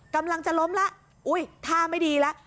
กำลังจะล้มแล้วอุ้ยท่าไม่ดีแล้ว